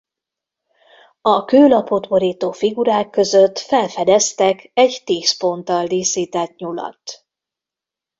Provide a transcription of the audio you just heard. A kőlapot borító figurák között felfedeztek egy tíz ponttal díszített nyulat.